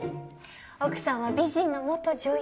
奥さんは美人の元女優。